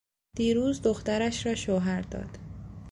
دیروز دخترش را شوهر داد.